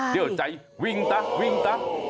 เดี๋ยวใจวิ่งตะวิ่งตะ